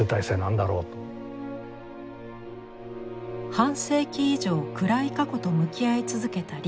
半世紀以上暗い過去と向き合い続けたリヒター。